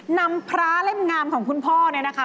นำพระเล่มงามของคุณพ่อเนี่ยนะคะ